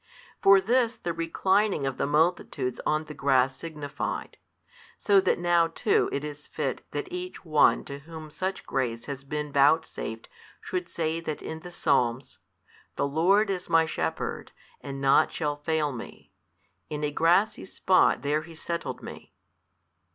For this the reclining of the multitudes on the grass signifieth, so that now too it is fit that each one to whom such grace has been vouchsafed should say that in the Psalms, The Lord is my Shepherd, and nought shall fail me: in a grassy spot there He settled me.